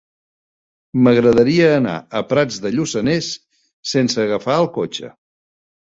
M'agradaria anar a Prats de Lluçanès sense agafar el cotxe.